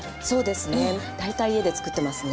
大体家で作ってますね。